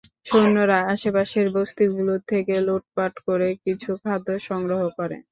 সৈন্যরা আশেপাশের বস্তিগুলো থেকে লুটপাট করে কিছু খাদ্য সংগ্রহ করে।